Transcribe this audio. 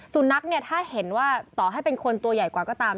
สุนัขเนี่ยถ้าเห็นว่าต่อให้เป็นคนตัวใหญ่กว่าก็ตาม